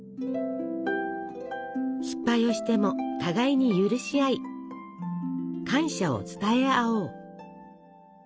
失敗をしても互いに許し合い感謝を伝え合おう。